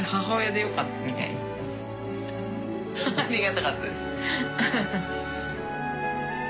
ありがたかったです。